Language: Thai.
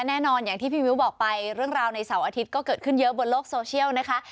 อย่างที่พี่มิ้วบอกไปเรื่องราวในเสาร์อาทิตย์ก็เกิดขึ้นเยอะบนโลกโซเชียลนะคะ